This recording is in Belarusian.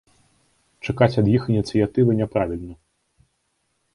Чакаць ад іх ініцыятывы няправільна.